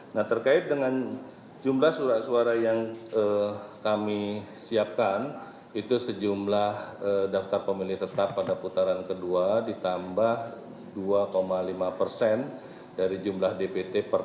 nah terkait dengan jumlah surat suara yang kami siapkan itu sejumlah daftar pemilih tetap pada putaran kedua ditambah dua lima persen dari jumlah dpt